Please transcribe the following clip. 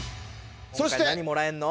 今回何もらえんの？